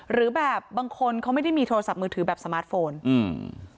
หรือแบบบางคนเขาไม่ได้มีโทรศัพท์มือถือแบบสมาร์ทโฟนอืม